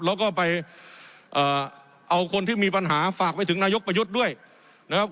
แล้วก็ไปเอ่อเอาคนที่มีปัญหาฝากไปถึงนายกประยุทธ์ด้วยนะครับ